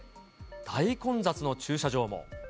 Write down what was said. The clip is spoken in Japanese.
大混雑の駐車場も。